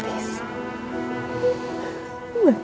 makasih banyak ya mbak